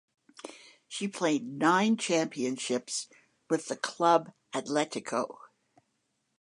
She played nine championships with the Club Atletico.